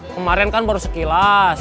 karen kan baru sekilas